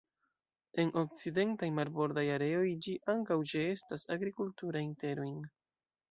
En okcidentaj marbordaj areoj, ĝi ankaŭ ĉeestas agrikulturajn terojn.